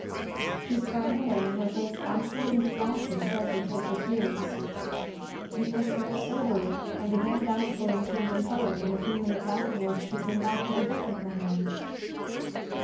She sprang away, her face absolutely flashing pleasure through her tears. It was much soberer, and again doubtful and changing colour, when a few minutes afterwards she came back with a book in her hand.